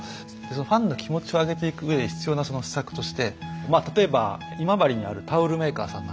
ファンの気持ちを上げていくうえで必要なその施策として例えば今治にあるタオルメーカーさんなんかはですね